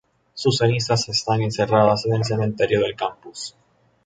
Sus cenizas están enterradas en el cementerio del campus.